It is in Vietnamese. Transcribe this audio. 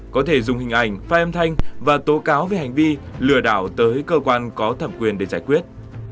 có thể dùng hình ảnh fi âm thanh và tố cáo về hành vi lừa đảo tới cơ quan có thẩm quyền để giải quyết